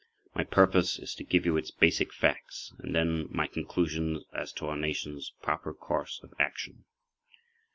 My purpose is to give you its basic facts and then my conclusions as to our Nation's proper course of action.